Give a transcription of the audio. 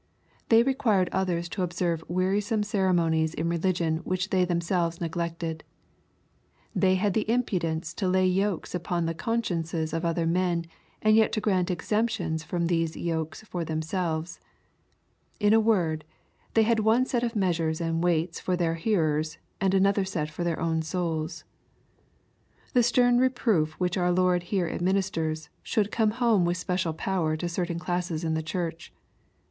They required others to observe wearisome ceremonies in religion which they themselves neglected. They had the impudence to lay yokes upon the consciences of other men, and yet to grant exemptions from these yokes for themselves. In a word, they had one set of measures and weights for their hearers, and another set for their own souls. The stern reproof which* our Lord here administers, should come home with special power to certain classes in the church.